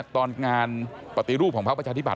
มันเป็นงานปฏิรูปของพระพัชธิบัติ